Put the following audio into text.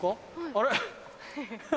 あれ？